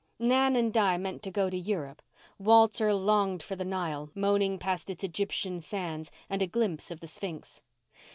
Nan and Di meant to go to Europe. Walter longed for the Nile moaning past its Egyptian sands, and a glimpse of the sphinx.